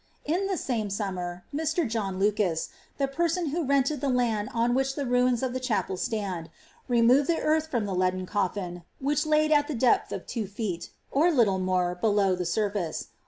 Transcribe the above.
* In the same summer, Mr. John Lucas, the person who rented the land na which the ruins of the chapel stand, removed the earth from the ' ArchoFologia. 96 XATHAftlllX YAKS. leaden coffin, which laid at the depth of two feet, or little more, odow the surface.